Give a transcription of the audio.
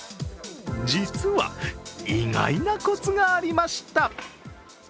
実は、意外なコツがありました。